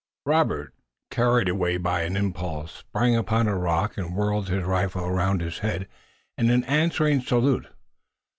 Robert, carried away by an impulse, sprang upon a rock and whirled his rifle around his head in an answering salute.